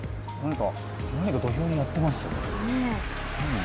何か土俵でやってますね。